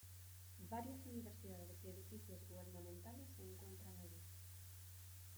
Varias universidades y edificios gubernamentales se encuentran allí.